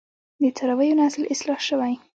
د څارویو نسل اصلاح شوی؟